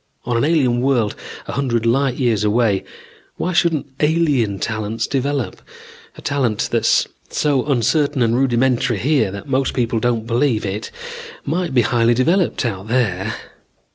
On an alien world a hundred light years away, why shouldn't alien talents develop? A talent that's so uncertain and rudimentary here that most people don't believe it, might be highly developed out there.